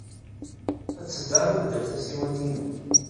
Ad teddariḍ ddaw tsiwant-inu?